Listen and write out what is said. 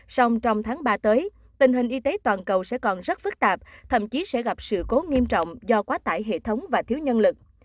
song trong tháng ba tới tình hình y tế toàn cầu sẽ còn rất phức tạp thậm chí sẽ gặp sự cố nghiêm trọng do quá tải hệ thống và thiếu nhân lực